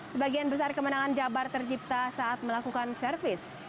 sebagian besar kemenangan jabar tercipta saat melakukan servis